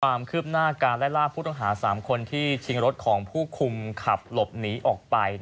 ความคืบหน้าการไล่ล่าผู้ต้องหา๓คนที่ชิงรถของผู้คุมขับหลบหนีออกไป